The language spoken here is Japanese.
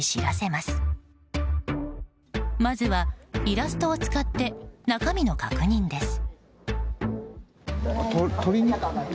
まずはイラストを使って中身の確認です。